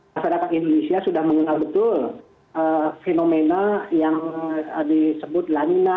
masyarakat indonesia sudah mengenal betul fenomena yang disebut lanina